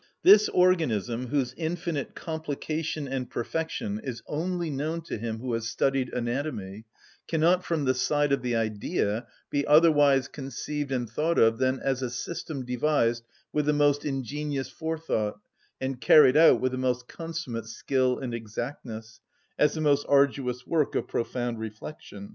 This organism, whose infinite complication and perfection is only known to him who has studied anatomy, cannot, from the side of the idea, be otherwise conceived and thought of than as a system devised with the most ingenious forethought and carried out with the most consummate skill and exactness, as the most arduous work of profound reflection.